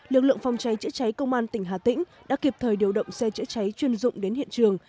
lực lượng phòng cháy chữa cháy công an tỉnh hà tĩnh đã kịp thời điều động xe chữa cháy chuyên dụng đến hiện trường